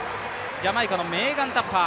ジャマイカのメーガン・タッパー。